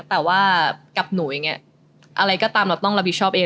แต่ว่ากับหนูอย่างนี้อะไรก็ตามเราต้องรับผิดชอบเอง